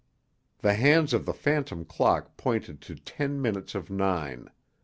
The hands of the phantom clock pointed to ten minutes of nine.